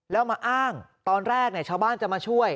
แล้วมาอ้างตอนแรกชาวบ้านจะมาช่วย